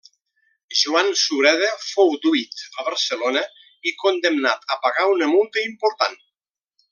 Joan Sureda fou duit a Barcelona i condemnat a pagar una multa important.